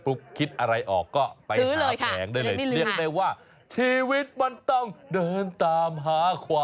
พกลงทุกครั้งเท่าไหร่